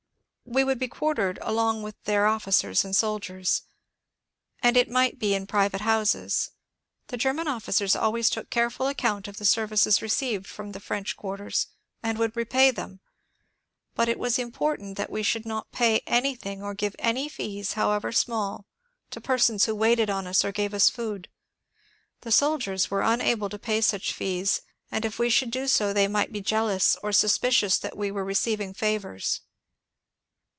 We would be quar tered along with their officers and soldiers, and it might be in private houses ; the German officers always took careful account of the services received from the French quarters, and would repay them ; but it was important that we should not pay anything or give any fees, however small, to persons who waited on us or gave us food ; the soldiers were unable 228 MONCDRE DANIEL CONWAY to pay such fees, and if we should do so they might be jealoas or suspicious that we were receiving favours.